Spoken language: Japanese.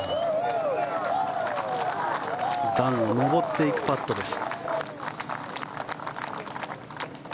段を上っていくパットです。